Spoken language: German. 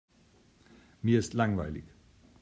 Mir ist langweilig.